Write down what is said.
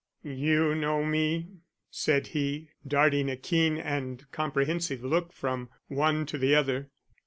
"You know me?" said he, darting a keen and comprehensive look from one to the other.